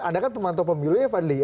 anda kan pemantau pemilu ya fadli